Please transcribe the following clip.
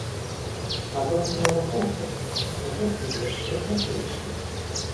На думку навукоўцаў, наступны год будзе яшчэ цяплейшым.